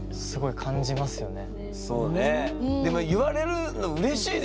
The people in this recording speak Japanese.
でも言われるのうれしいでしょ？